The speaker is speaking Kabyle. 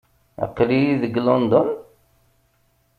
Aql-iyi deg London?